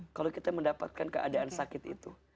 maka kita harus merasakan keadaan sakit itu